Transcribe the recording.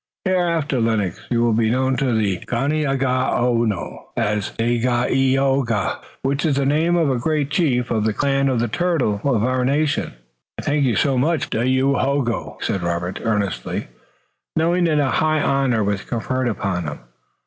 Hereafter, Lennox, you will be known to the Ganeagaono as Dagaeoga, which is the name of a great chief of the clan of the Turtle, of our nation." "I thank you much, Dahoyogo," said Robert, earnestly, knowing that a high honor was conferred upon him.